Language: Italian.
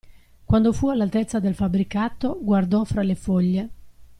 Quando fu all'altezza del fabbricato, guardò fra le foglie.